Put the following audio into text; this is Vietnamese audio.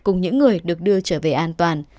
cùng những người được đưa trở về an toàn